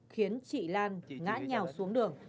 khiến chị lan ngã nhào xuống đường